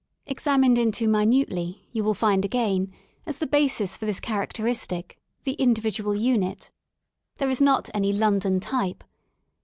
Examined into minutely, you will find again, as the basis of this characteristic, the individual unit. There is not any London type.